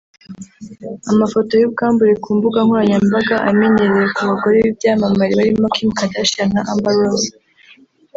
Amafoto y’ubwambure ku mbuga nkoranyambaga amenyerewe ku bagore b’ibyamamare barimo Kim Kardashian na Amber Rose